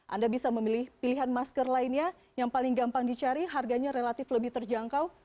anda bisa memilih pilihan masker lainnya yang paling gampang dicari harganya relatif lebih terjangkau